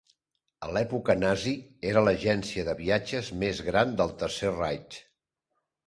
A l'època nazi era l'agència de viatges més gran del Tercer Reich.